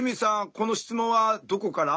この質問はどこから？